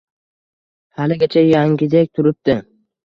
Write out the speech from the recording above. Haligacha yangidek turibdi".